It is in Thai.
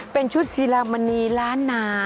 เป็นชุดศิลามณีล้านนา